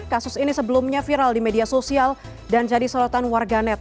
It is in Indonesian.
kasus ini sebelumnya viral di media sosial dan jadi sorotan warganet